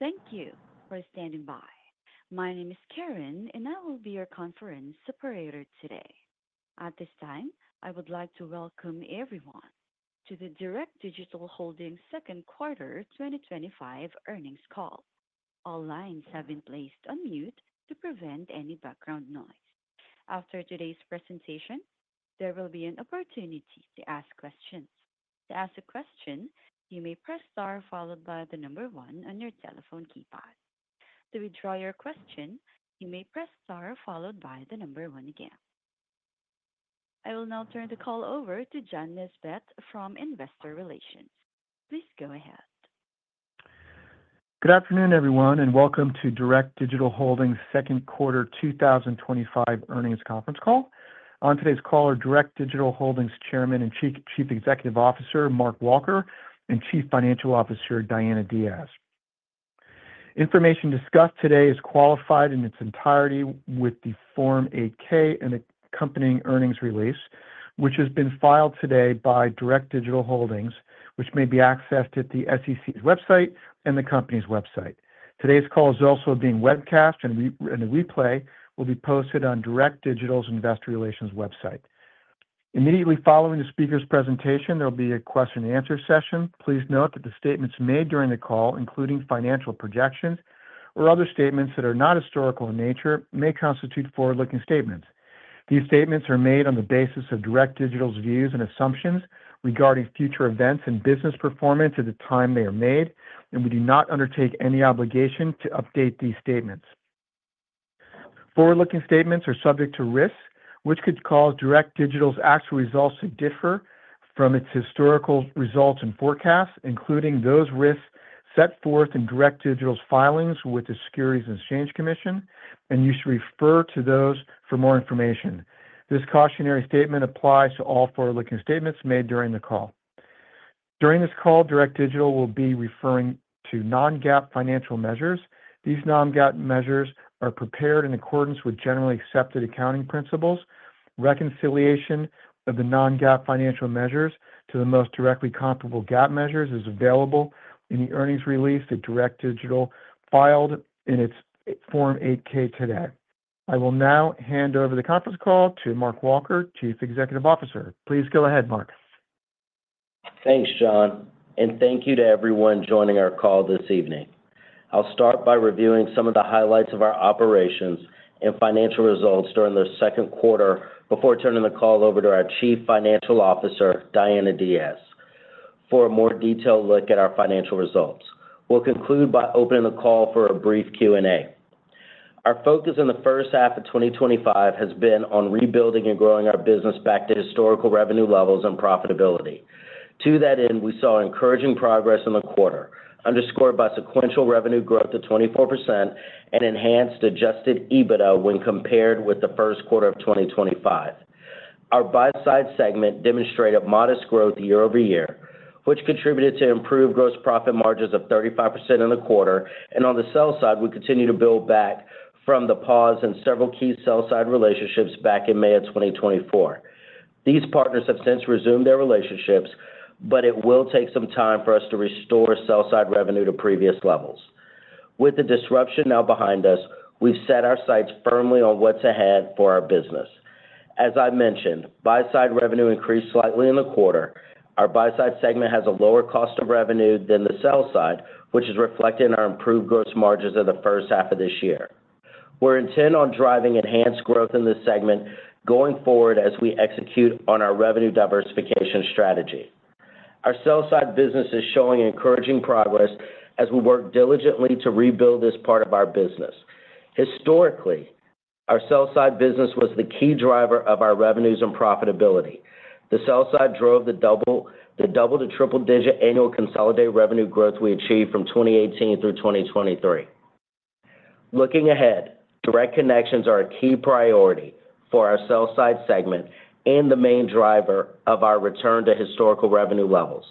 Thank you for standing by. My name is Karen, and I will be your conference operator today. At this time, I would like to welcome everyone to the Direct Digital Holdings' Second Quarter 2025 Earnings Call. All lines have been placed on mute to prevent any background noise. After today's presentation, there will be an opportunity to ask questions. To ask a question, you may press star followed by the number one on your telephone keypad. To withdraw your question, you may press star followed by the number one again. I will now turn the call over to John Nesbett from Investor Relations. Please go ahead. Good afternoon, everyone, and welcome to Direct Digital Holdings' Second Quarter 2025 Earnings Conference Call. On today's call are Direct Digital Holdings' Chairman and Chief Executive Officer, Mark Walker, and Chief Financial Officer, Diana Diaz. Information discussed today is qualified in its entirety with the Form 8-K and accompanying earnings release, which has been filed today by Direct Digital Holdings, which may be accessed at the SEC's website and the company's website. Today's call is also being webcast, and the replay will be posted on Direct Digital's Investor Relations website. Immediately following the speaker's presentation, there will be a question and answer session. Please note that the statements made during the call, including financial projections or other statements that are not historical in nature, may constitute forward-looking statements. These statements are made on the basis of Direct Digital's views and assumptions regarding future events and business performance at the time they are made, and we do not undertake any obligation to update these statements. Forward-looking statements are subject to risks, which could cause Direct Digital's actual results to differ from its historical results and forecasts, including those risks set forth in Direct Digital's filings with the Securities and Exchange Commission, and you should refer to those for more information. This cautionary statement applies to all forward-looking statements made during the call. During this call, Direct Digital will be referring to non-GAAP financial measures. These non-GAAP measures are prepared in accordance with generally accepted accounting principles. Reconciliation of the non-GAAP financial measures to the most directly comparable GAAP measures is available in the earnings release that Direct Digital filed in its Form 8-K today. I will now hand over the conference call to Mark Walker, Chief Executive Officer. Please go ahead, Mark. Thanks, John, and thank you to everyone joining our call this evening. I'll start by reviewing some of the highlights of our operations and financial results during the second quarter before turning the call over to our Chief Financial Officer, Diana Diaz, for a more detailed look at our financial results. We'll conclude by opening the call for a brief Q&A. Our focus in the first half of 2025 has been on rebuilding and growing our business back to historical revenue levels and profitability. To that end, we saw encouraging progress in the quarter, underscored by sequential revenue growth of 24% and enhanced adjusted EBITDA when compared with the first quarter of 2025. Our buy-side segment demonstrated modest growth year-over-year, which contributed to improved gross profit margins of 35% in the quarter, and on the sell side, we continue to build back from the pause in several key sell-side relationships back in May of 2024. These partners have since resumed their relationships, but it will take some time for us to restore sell-side revenue to previous levels. With the disruption now behind us, we've set our sights firmly on what's ahead for our business. As I mentioned, buy-side revenue increased slightly in the quarter. Our buy-side segment has a lower cost of revenue than the sell side, which is reflected in our improved gross margins in the first half of this year. We're intent on driving enhanced growth in this segment going forward as we execute on our revenue diversification strategy. Our sell-side business is showing encouraging progress as we work diligently to rebuild this part of our business. Historically, our sell-side business was the key driver of our revenues and profitability. The sell side drove the double-to-triple-digit annual consolidated revenue growth we achieved from 2018 through 2023. Looking ahead, direct connections are a key priority for our sell-side segment and the main driver of our return to historical revenue levels.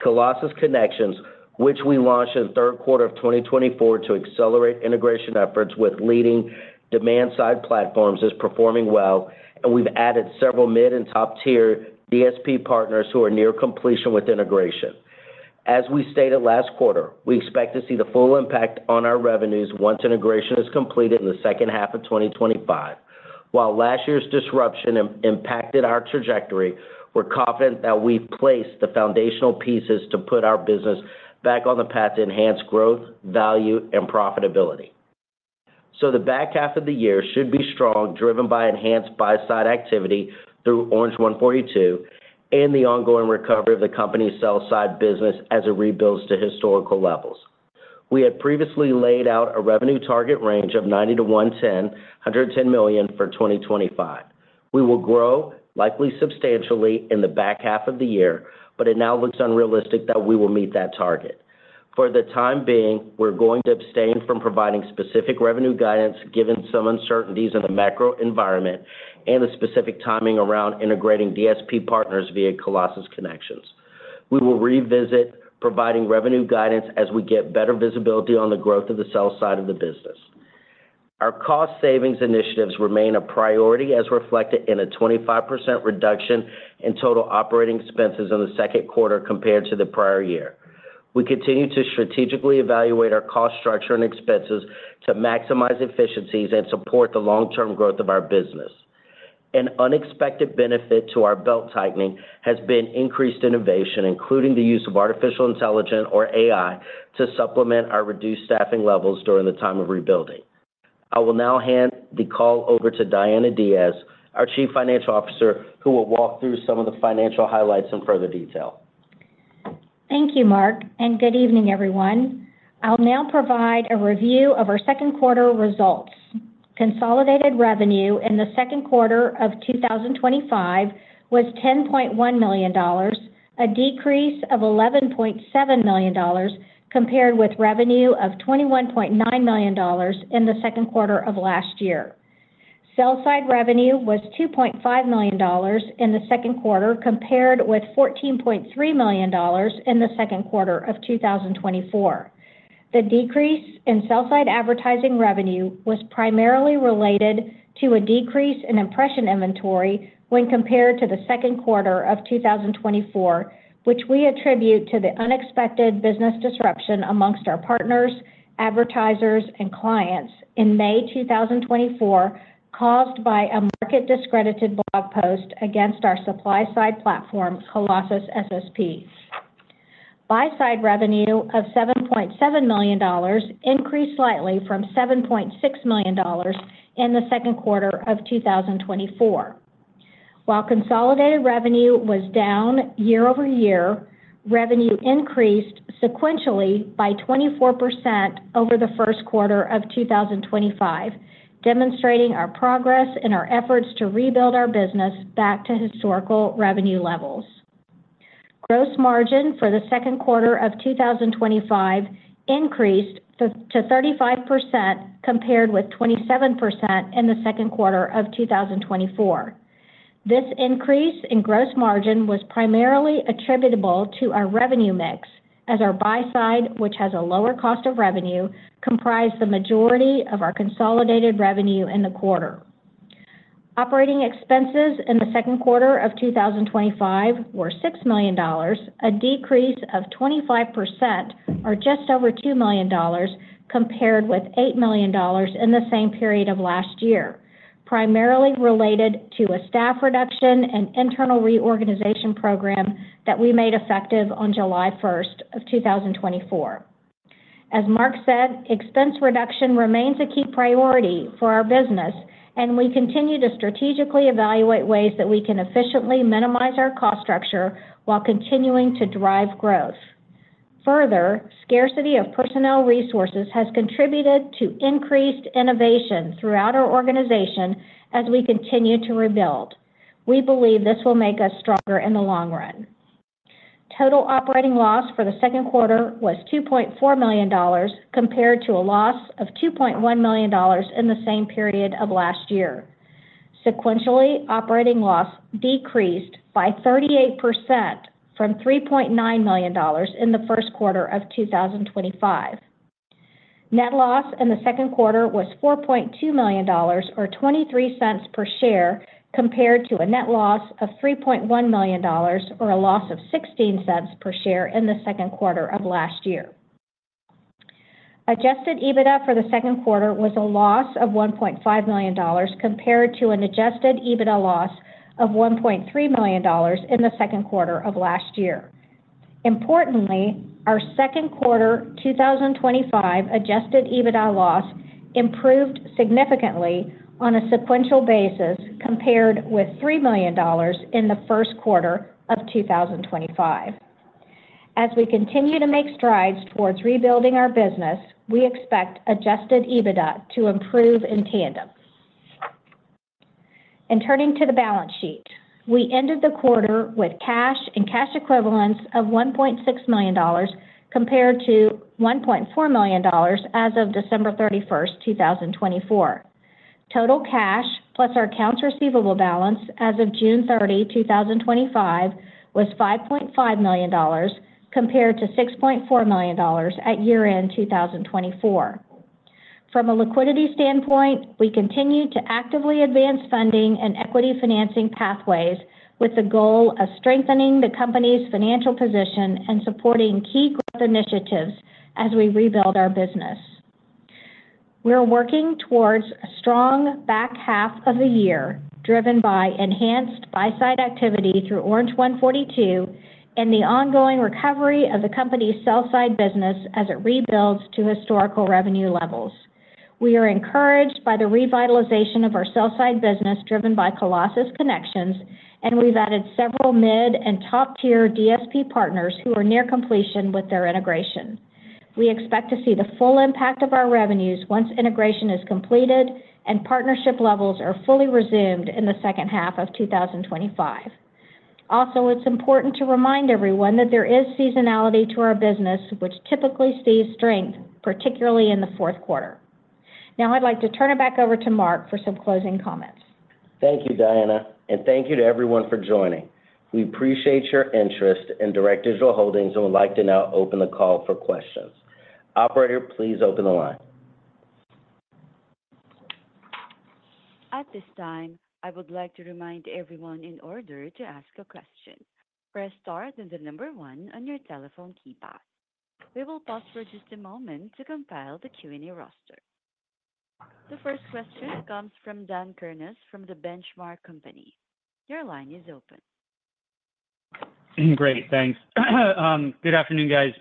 Colossus Connections, which we launched in the third quarter of 2024 to accelerate integration efforts with leading demand-side platforms, is performing well, and we've added several mid and top-tier DSP partners who are near completion with integration. As we stated last quarter, we expect to see the full impact on our revenues once integration is completed in the second half of 2025. While last year's disruption impacted our trajectory, we're confident that we've placed the foundational pieces to put our business back on the path to enhanced growth, value, and profitability. The back half of the year should be strong, driven by enhanced buy-side activity through Orange 142 and the ongoing recovery of the company's sell-side business as it rebuilds to historical levels. We had previously laid out a revenue target range of $90 million-$110 million for 2025. We will grow likely substantially in the back half of the year, but it now looks unrealistic that we will meet that target. For the time being, we're going to abstain from providing specific revenue guidance given some uncertainties in the macro environment and the specific timing around integrating DSP partners via Colossus Connections. We will revisit providing revenue guidance as we get better visibility on the growth of the sell side of the business. Our cost savings initiatives remain a priority as reflected in a 25% reduction in total operating expenses in the second quarter compared to the prior year. We continue to strategically evaluate our cost structure and expenses to maximize efficiencies and support the long-term growth of our business. An unexpected benefit to our belt tightening has been increased innovation, including the use of artificial intelligence or AI to supplement our reduced staffing levels during the time of rebuilding. I will now hand the call over to Diana Diaz, our Chief Financial Officer, who will walk through some of the financial highlights in further detail. Thank you, Mark, and good evening, everyone. I'll now provide a review of our second quarter results. Consolidated revenue in the second quarter of 2025 was $10.1 million, a decrease of $11.7 million compared with revenue of $21.9 million in the second quarter of last year. Sell-side revenue was $2.5 million in the second quarter compared with $14.3 million in the second quarter of 2024. The decrease in sell-side advertising revenue was primarily related to a decrease in impression inventory when compared to the second quarter of 2024, which we attribute to the unexpected business disruption amongst our partners, advertisers, and clients in May 2024, caused by a market-discredited blog post against our supply-side platform, Colossus SSP. Buy-side revenue of $7.7 million increased slightly from $7.6 million in the second quarter of 2024. While consolidated revenue was down year-over-year, revenue increased sequentially by 24% over the first quarter of 2025, demonstrating our progress in our efforts to rebuild our business back to historical revenue levels. Gross margin for the second quarter of 2025 increased to 35% compared with 27% in the second quarter of 2024. This increase in gross margin was primarily attributable to our revenue mix, as our buy-side, which has a lower cost of revenue, comprised the majority of our consolidated revenue in the quarter. Operating expenses in the second quarter of 2025 were $6 million, a decrease of 25% or just over $2 million compared with $8 million in the same period of last year, primarily related to a staff reduction and internal reorganization program that we made effective on July 1, 2024. As Mark said, expense reduction remains a key priority for our business, and we continue to strategically evaluate ways that we can efficiently minimize our cost structure while continuing to drive growth. Further, scarcity of personnel resources has contributed to increased innovation throughout our organization as we continue to rebuild. We believe this will make us stronger in the long run. Total operating loss for the second quarter was $2.4 million compared to a loss of $2.1 million in the same period of last year. Sequentially, operating loss decreased by 38% from $3.9 million in the first quarter of 2025. Net loss in the second quarter was $4.2 million or $0.23 per share compared to a net loss of $3.1 million or a loss of $0.16 per share in the second quarter of last year. Adjusted EBITDA for the second quarter was a loss of $1.5 million compared to an adjusted EBITDA loss of $1.3 million in the second quarter of last year. Importantly, our second quarter 2025 adjusted EBITDA loss improved significantly on a sequential basis compared with $3 million in the first quarter of 2025. As we continue to make strides towards rebuilding our business, we expect adjusted EBITDA to improve in tandem. Turning to the balance sheet, we ended the quarter with cash and cash equivalents of $1.6 million compared to $1.4 million as of December 31st, 2024. Total cash plus our accounts receivable balance as of June 30, 2025, was $5.5 million compared to $6.4 million at year-end 2024. From a liquidity standpoint, we continue to actively advance funding and equity financing pathways with the goal of strengthening the company's financial position and supporting key growth initiatives as we rebuild our business. We are working towards a strong back half of the year, driven by enhanced buy-side activity through Orange 142 and the ongoing recovery of the company's sell-side business as it rebuilds to historical revenue levels. We are encouraged by the revitalization of our sell-side business driven by Colossus Connections, and we've added several mid and top-tier DSP partners who are near completion with their integration. We expect to see the full impact of our revenues once integration is completed and partnership levels are fully resumed in the second half of 2025. Also, it's important to remind everyone that there is seasonality to our business, which typically sees strength, particularly in the fourth quarter. Now I'd like to turn it back over to Mark for some closing comments. Thank you, Diana, and thank you to everyone for joining. We appreciate your interest in Direct Digital Holdings and would like to now open the call for questions. Operator, please open the line. At this time, I would like to remind everyone in order to ask a question, press star then the number one on your telephone keypad. We will pause for just a moment to compile the Q&A roster. The first question comes from Dan Kurnos from The Benchmark Company. Your line is open. Great, thanks. Good afternoon, guys.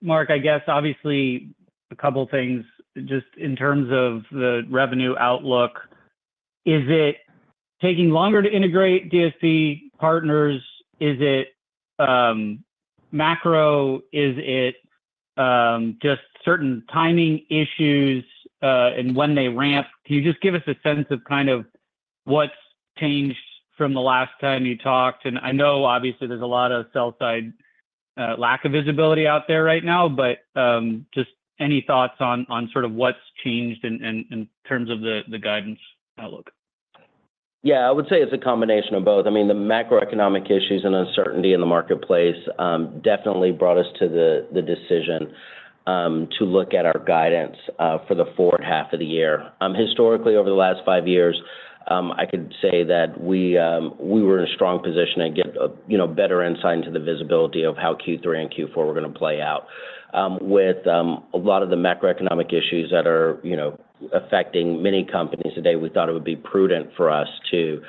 Mark, I guess obviously a couple of things just in terms of the revenue outlook. Is it taking longer to integrate DSP partners? Is it macro? Is it just certain timing issues and when they ramp? Can you just give us a sense of kind of what's changed from the last time you talked? I know obviously there's a lot of sell-side lack of visibility out there right now, but just any thoughts on sort of what's changed in terms of the guidance outlook? Yeah, I would say it's a combination of both. I mean, the macroeconomic issues and uncertainty in the marketplace definitely brought us to the decision to look at our guidance for the fourth half of the year. Historically, over the last five years, I could say that we were in a strong position to get better insight into the visibility of how Q3 and Q4 were going to play out. With a lot of the macroeconomic issues that are affecting many companies today, we thought it would be prudent for us to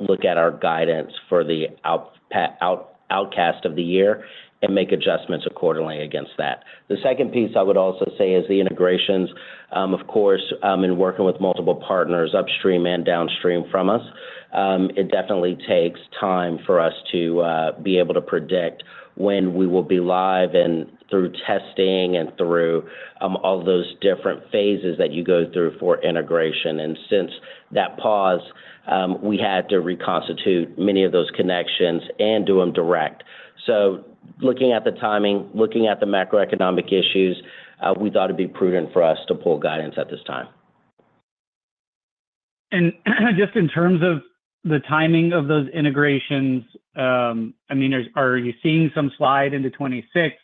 look at our guidance for the outcast of the year and make adjustments accordingly against that. The second piece I would also say is the integrations. Of course, in working with multiple partners upstream and downstream from us, it definitely takes time for us to be able to predict when we will be live and through testing and through all those different phases that you go through for integration. Since that pause, we had to reconstitute many of those connections and do them direct. Looking at the timing, looking at the macroeconomic issues, we thought it'd be prudent for us to pull guidance at this time. In terms of the timing of those integrations, are you seeing some slide into 2026?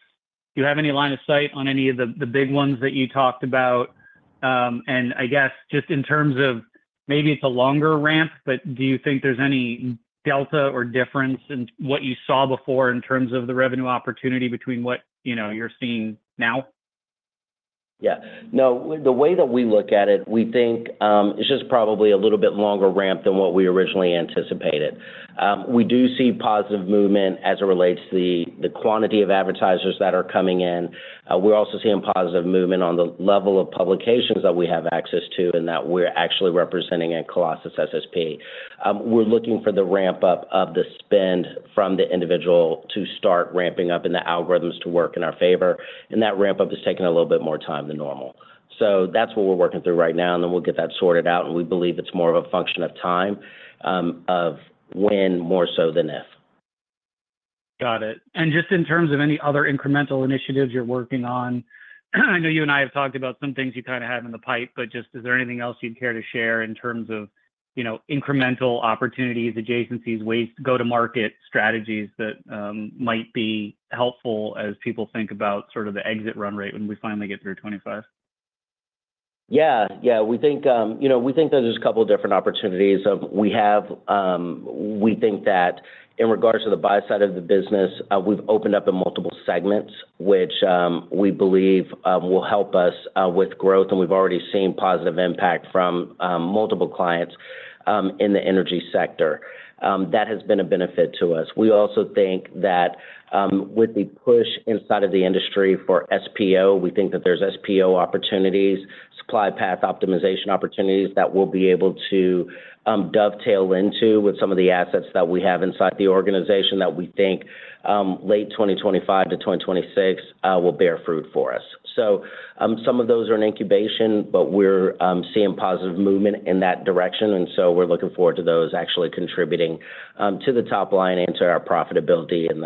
Do you have any line of sight on any of the big ones that you talked about? I guess just in terms of maybe it's a longer ramp, do you think there's any delta or difference in what you saw before in terms of the revenue opportunity between what you're seeing now? Yeah, no, the way that we look at it, we think it's just probably a little bit longer ramp than what we originally anticipated. We do see positive movement as it relates to the quantity of advertisers that are coming in. We're also seeing positive movement on the level of publications that we have access to and that we're actually representing at Colossus SSP. We are looking for the ramp-up of the spend from the individual to start ramping up and the algorithms to work in our favor. That ramp-up is taking a little bit more time than normal. That is what we're working through right now. We will get that sorted out, and we believe it's more of a function of time, of when more so than if. Got it. In terms of any other incremental initiatives you're working on, I know you and I have talked about some things you kind of have in the pipe, but is there anything else you'd care to share in terms of incremental opportunities, adjacencies, ways to go to market strategies that might be helpful as people think about the exit run rate when we finally get through 2025? Yeah, we think there's a couple of different opportunities. We think that in regards to the buy-side of the business, we've opened up in multiple segments, which we believe will help us with growth. We've already seen positive impact from multiple clients in the energy sector. That has been a benefit to us. We also think that with the push inside of the industry for SPO, we think that there are SPO opportunities, supply path optimization opportunities that we'll be able to dovetail into with some of the assets that we have inside the organization. We think late 2025 to 2026 will bear fruit for us. Some of those are in incubation, but we're seeing positive movement in that direction. We're looking forward to those actually contributing to the top line and to our profitability in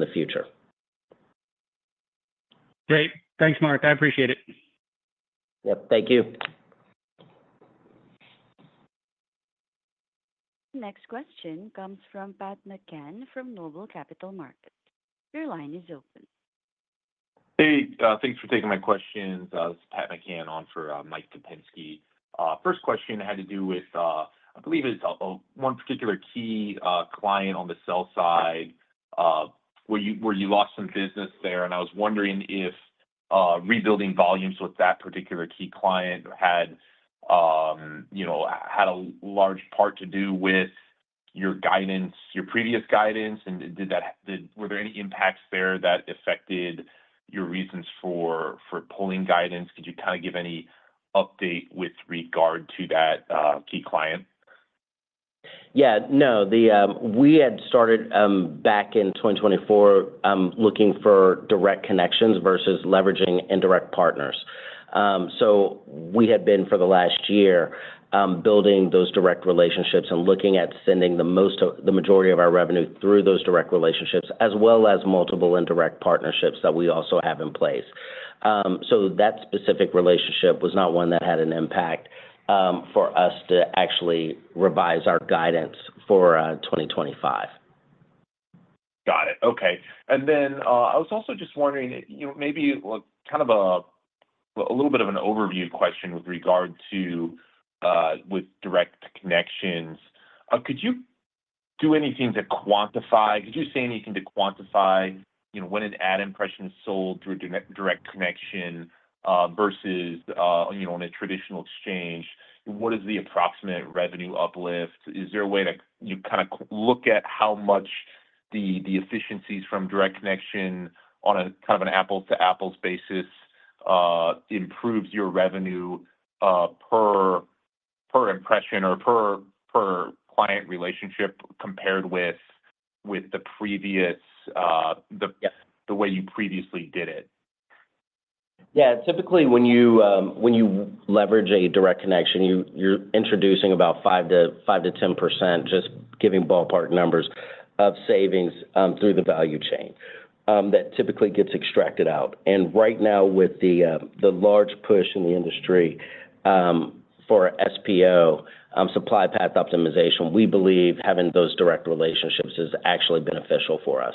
the future. Great. Thanks, Mark. I appreciate it. Thank you. Next question comes from Pat McCann from NOBLE Capital Markets. Your line is open. Hey, thanks for taking my questions. This is Pat McCann on for Mike Kupinski. First question had to do with, I believe it's one particular key client on the sell side. Were you lost in business there? I was wondering if rebuilding volumes with that particular key client had a large part to do with your guidance, your previous guidance. Did that, were there any impacts there that affected your reasons for pulling guidance? Could you kind of give any update with regard to that key client? We had started back in 2024 looking for direct connections versus leveraging indirect partners. We had been for the last year building those direct relationships and looking at sending the majority of our revenue through those direct relationships, as well as multiple indirect partnerships that we also have in place. That specific relationship was not one that had an impact for us to actually revise our guidance for 2025. Got it. Okay. I was also just wondering, maybe kind of a little bit of an overview question with regard to direct connections. Could you do anything to quantify, could you say anything to quantify, when an ad impression is sold through a direct connection versus on a traditional exchange? What is the approximate revenue uplift? Is there a way to kind of look at how much the efficiencies from direct connection on a kind of an apples-to-apples basis improve your revenue per impression or per client relationship compared with the previous, the way you previously did it? Typically, when you leverage a direct connection, you're introducing about 5%-10%, just giving ballpark numbers, of savings through the value chain. That typically gets extracted out. Right now, with the large push in the industry for SPO, supply path optimization, we believe having those direct relationships is actually beneficial for us.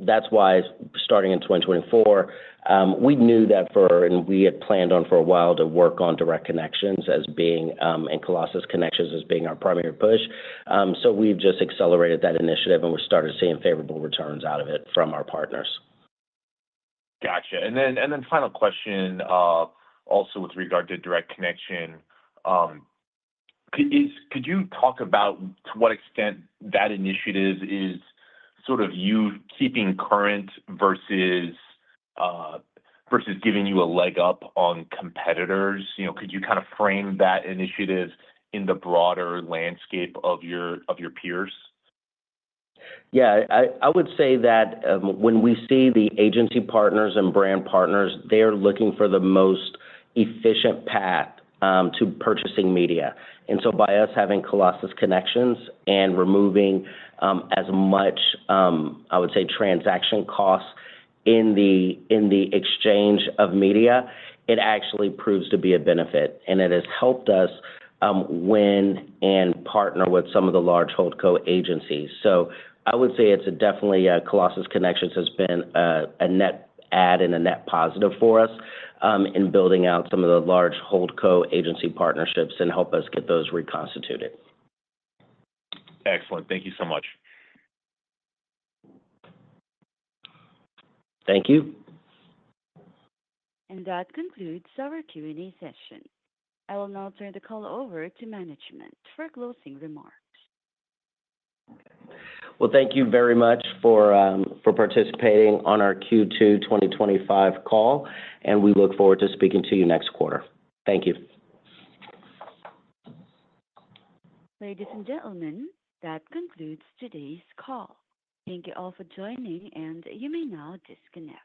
That is why, starting in 2024, we knew that for, and we had planned on for a while to work on direct connections as being, and Colossus Connections as being our primary push. We've just accelerated that initiative and we've started seeing favorable returns out of it from our partners. Gotcha. Final question, also with regard to direct connection, could you talk about to what extent that initiative is sort of you keeping current versus giving you a leg up on competitors? Could you kind of frame that initiative in the broader landscape of your peers? I would say that when we see the agency partners and brand partners, they're looking for the most efficient path to purchasing media. By us having Colossus Connections and removing as much transaction costs in the exchange of media, it actually proves to be a benefit. It has helped us win and partner with some of the large hold-co agencies. I would say it's definitely Colossus Connections has been a net add and a net positive for us in building out some of the large hold-co agency partnerships and help us get those reconstituted. Excellent. Thank you so much. Thank you. That concludes our Q&A session. I will now turn the call over to management for closing remarks. Thank you very much for participating on our Q2 2025 call, and we look forward to speaking to you next quarter. Thank you. Ladies and gentlemen, that concludes today's call. Thank you all for joining, and you may now disconnect.